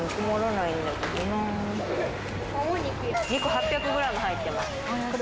肉８００グラム入ってます。